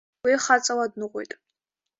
Уи хаҵала дныҟәеит.